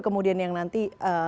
kemudian yang nanti